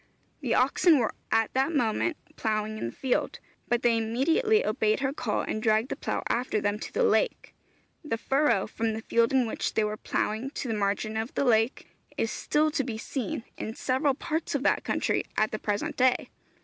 The oxen were at that moment ploughing in the field, but they immediately obeyed her call and dragged the plough after them to the lake. The furrow, from the field in which they were ploughing to the margin of the lake, is still to be seen in several parts of that country at the present day.